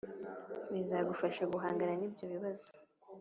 bizagufasha guhangana n’ibyo bibazo.